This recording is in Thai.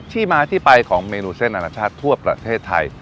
ที่มาที่ไปของเมนูเส้นอนาชาติทั่วประเทศไทย